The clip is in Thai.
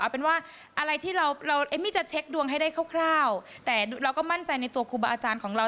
เอาเป็นว่าอะไรที่เราเอมมี่จะเช็คดวงให้ได้คร่าวแต่เราก็มั่นใจในตัวครูบาอาจารย์ของเรา